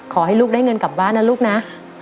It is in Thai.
ขอให้ลูกได้เงินกลับบ้านนะลูกนะ